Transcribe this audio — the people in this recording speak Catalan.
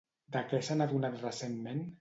De què s'han adonat recentment?